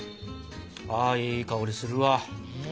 あいい香りするわ。